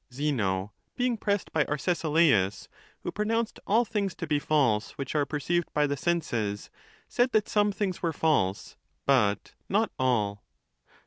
Zeno,' being pressed by Arcesilas, who pronounced all things to be false which are perceived by the senses, said that some things were false, but not all.